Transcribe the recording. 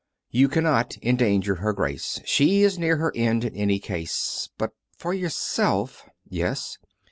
" You cannot endanger her Grace. She is near her end in any case. But for yourself "" Yes."